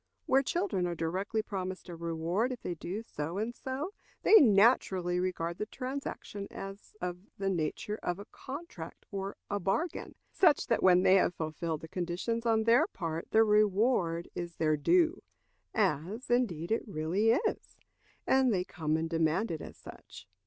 Where children are directly promised a reward if they do so and so, they naturally regard the transaction as of the nature of a contract or a bargain, such that when they have fulfilled the conditions on their part the reward is their due, as, indeed, it really is; and they come and demand it as such.